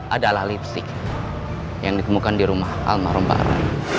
adalah lipstick yang ditemukan di rumah alma romba